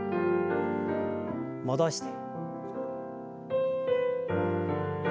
戻して。